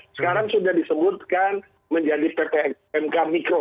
sekarang sudah disebutkan menjadi ppmk mikro